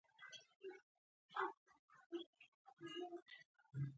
سړیو دعاګانې کولې او مرسته یې غوښته.